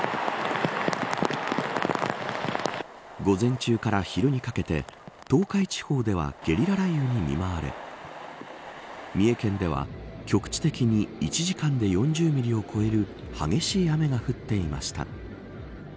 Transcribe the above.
午前中から昼にかけて東海地方ではゲリラ雷雨に見舞われ三重県では、局地的に１時間で４０ミリを超える激しい雨が降っていました。